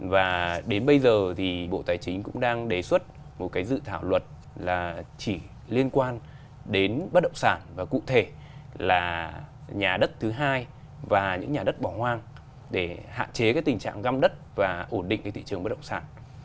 và đến bây giờ thì bộ tài chính cũng đang đề xuất một cái dự thảo luật là chỉ liên quan đến bất động sản và cụ thể là nhà đất thứ hai và những nhà đất bỏ hoang để hạn chế cái tình trạng găm đất và ổn định cái thị trường bất động sản